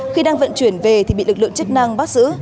khi đang vận chuyển về thì bị lực lượng chức năng bắt giữ